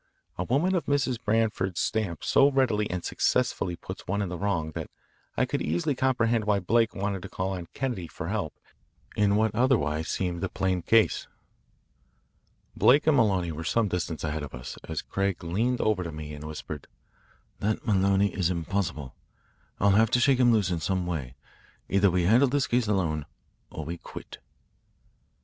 A woman of Mrs. Branford's stamp so readily and successfully puts one in the wrong that I could easily comprehend why Blake wanted to call on Kennedy for help in what otherwise seemed a plain case. Blake and Maloney were some distance ahead of us, as Craig leaned over to me and whispered: "That Maloney is impossible. I'll have to shake him loose in some way. Either we handle this case alone or we quit."